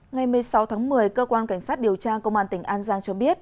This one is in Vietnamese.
ngày một mươi sáu tháng một mươi cơ quan cảnh sát điều tra công an tỉnh an giang cho biết